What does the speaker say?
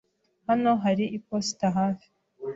Hano hari iposita hafi.